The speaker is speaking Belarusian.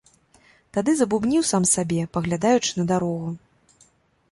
Тады забубніў сам сабе, паглядаючы на дарогу.